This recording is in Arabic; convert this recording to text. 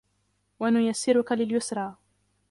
وَنُيَسِّرُكَ لِلْيُسْرَى